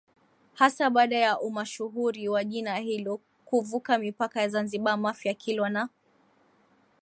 hasa baada ya Umashuhuri wa jina hilo kuvuka mipaka ya Zanzibar Mafia Kilwa na